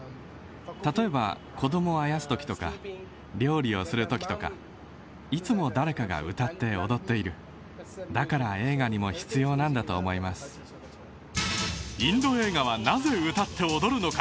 例えば子供をあやすときとか料理をするときとかいつも誰かが歌って踊っているだから映画にも必要なんだと思いますインド映画はなぜ歌って踊るのか？